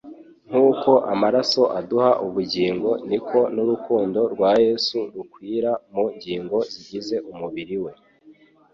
Nk'uko amaraso aduha ubugingo niko n'urukundo rwa Yesu rukwira mu ngingo zigize umubiri we.